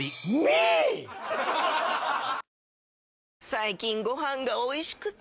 最近ご飯がおいしくて！